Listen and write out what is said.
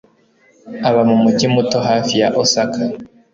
Aba mu mujyi muto hafi ya Osaka.